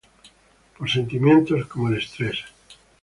por sentimientos como el estrés